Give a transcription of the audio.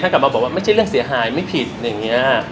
กลับมาบอกว่าไม่ใช่เรื่องเสียหายไม่ผิดอย่างนี้